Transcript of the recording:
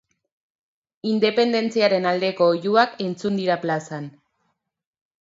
Independentziaren aldeko oihuak entzun dira plazan.